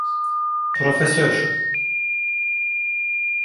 Profesör.